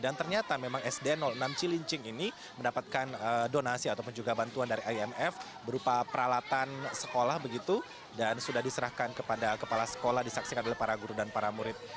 dan ternyata memang sd enam cilincing ini mendapatkan donasi ataupun juga bantuan dari imf berupa peralatan sekolah begitu dan sudah diserahkan kepada kepala sekolah disaksikan oleh para guru dan para murid